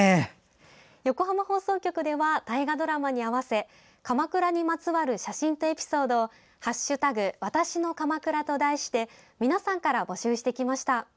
横浜放送局では大河ドラマに合わせ鎌倉にまつわる写真とエピソードを「＃わたしの鎌倉」と題して皆さんから募集してきました。